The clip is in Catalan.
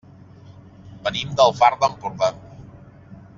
Venim del Far d'Empordà.